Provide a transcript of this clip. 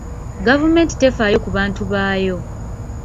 Gavumenti tefaayo ku bantu baayo.